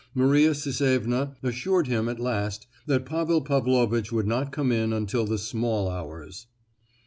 Maria Sisevna assured him at last that Pavel Pavlovitch would not come in until the small hours.